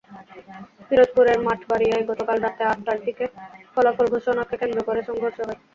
পিরোজপুরের মঠবাড়িয়ায় গতকাল রাত আটটার দিকে ফলাফল ঘোষণাকে কেন্দ্র করে সংঘর্ষ হয়।